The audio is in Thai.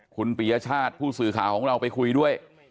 คุณปียชาติผู้สื่อข่าวของเราไปคุยด้วย